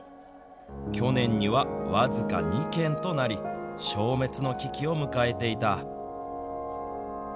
去年には僅か２軒となり、消滅の危機を迎えていた。